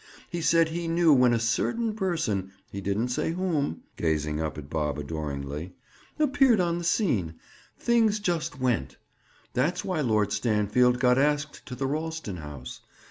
He said he knew when a certain person—he didn't say whom"—gazing up at Bob adoringly—"appeared on the scene, things just went. That's why Lord Stanfield got asked to the Ralston house.